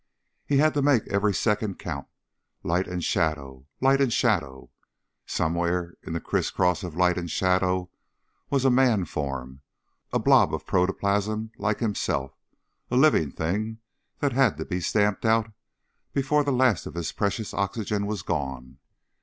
He had to make every second count. Light and shadow ... light and shadow. Somewhere in the crisscross of light and shadow was a man form, a blob of protoplasm like himself, a living thing that had to be stamped out before the last of his precious oxygen was gone.